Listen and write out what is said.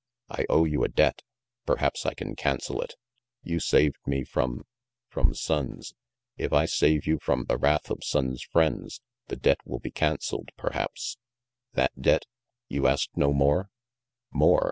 "I owe you a debt. Perhaps I can cancel it. You saved me from from Sonnes. If I save you from the wrath of Sonnes 5 friends, the debt will be can celled, perhaps?" "That debt? You ask no more?" "More?